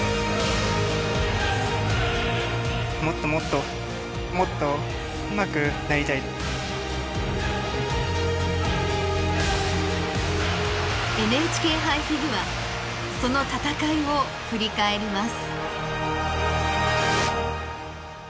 もっともっとＮＨＫ杯フィギュアその戦いを振り返ります。